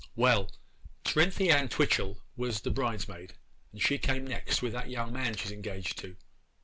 'Well, Cerinthy Ann Twitchel was the bridesmaid, and she came next with that young man she is engaged to.